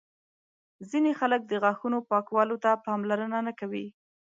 ځینې خلک د غاښونو پاکولو ته پاملرنه نه کوي.